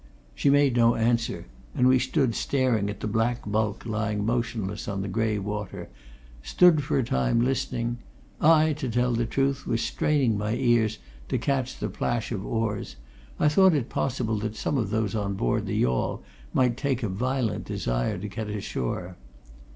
She made no answer and we stood staring at the black bulk lying motionless on the grey water; stood for a long time, listening. I, to tell the truth, was straining my ears to catch the plash of oars: I thought it possible that some of those on board the yawl might take a violent desire to get ashore.